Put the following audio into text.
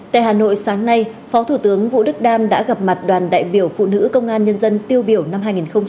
tại hà nội sáng nay phó thủ tướng vũ đức đam đã gặp mặt đoàn đại biểu phụ nữ công an nhân dân tiêu biểu năm hai nghìn hai mươi ba